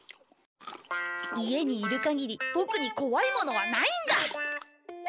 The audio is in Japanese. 家にいる限りボクに怖いものはないんだ！